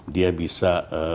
dia bisa dijaminkan over time